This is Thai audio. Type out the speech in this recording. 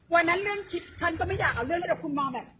วันนั้นเรื่องคิดฉันก็ไม่อยากเอาเรื่องนี้แต่คุณมองแบบ